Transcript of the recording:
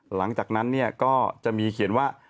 หลังจากนั้นก็จะมีเขียนว่า